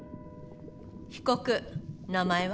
被告名前は？